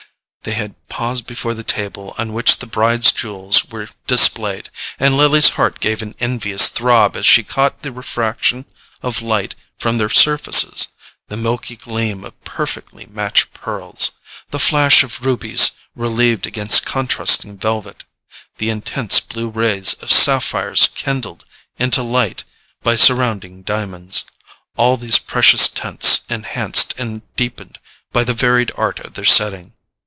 They had paused before the table on which the bride's jewels were displayed, and Lily's heart gave an envious throb as she caught the refraction of light from their surfaces—the milky gleam of perfectly matched pearls, the flash of rubies relieved against contrasting velvet, the intense blue rays of sapphires kindled into light by surrounding diamonds: all these precious tints enhanced and deepened by the varied art of their setting.